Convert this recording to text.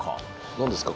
何ですか？